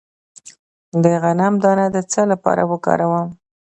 د غنم دانه د څه لپاره وکاروم؟